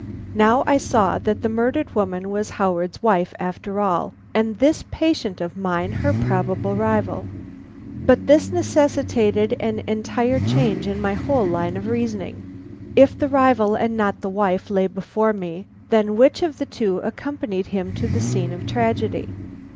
Now I saw that the murdered woman was Howard's wife after all, and this patient of mine her probable rival. But this necessitated an entire change in my whole line of reasoning. If the rival and not the wife lay before me, then which of the two accompanied him to the scene of tragedy?